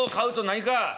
何か？